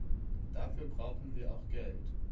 Dafür brauchen wir auch Geld.